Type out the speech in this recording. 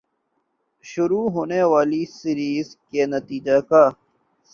شروع ہونے والی سیریز کے نتیجے کا